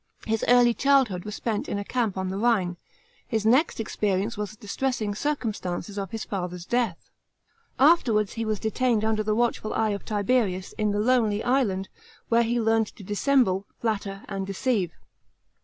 His early childhood was spent in the camp on the Rhine; his next expeiience was the distre >sing circumstances of his lather's death. Afterwards he was detained under the watchful eye of Tiberius in the lonely island, where he learned to dissemble, natter and deceive.